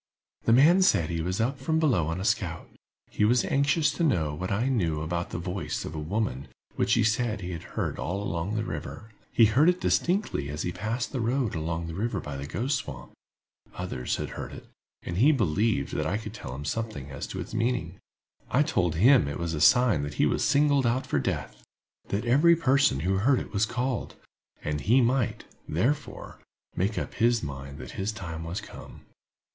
"The man said he was up from below on a scout. He was anxious to know what I knew about the voice of a woman which he said had been heard all along the river. He heard it distinctly as he passed the road along the river by the Ghost Swamp; others had heard it, and he believed that I could tell him as to its meaning. I told him it was a sign that he was singled out for death—that every person who heard it was called, and he might, therefore, make up his mind that his time was come.